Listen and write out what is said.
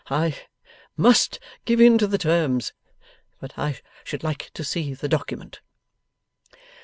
I must give in to the terms. But I should like to see the document.